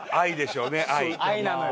愛なのよ。